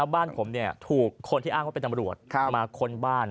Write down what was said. บ้านผมถูกคนที่อ้างว่าเป็นตำรวจมาค้นบ้าน